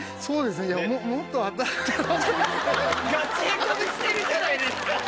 そうですね。